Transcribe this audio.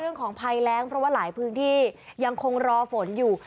เรื่องของภัยแรงเพราะว่าหลายพื้นที่ยังคงรอฝนอยู่